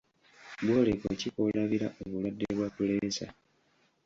Bwoleko ki kwolabira obulwadde bwa puleesa?